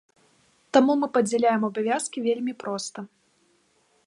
Таму мы падзяляем абавязкі вельмі проста.